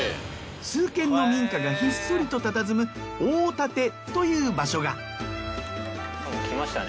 数軒の民家がひっそりとたたずむ大立という場所が。来ましたね